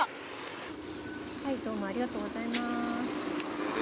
はいどうもありがとうございます。